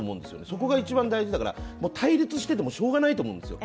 そこが一番大事だから、対立しててもしょうがないと思うんですよ。